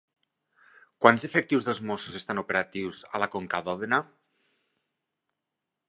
Quants efectius dels Mossos estan operatius a la Conca d'Òdena?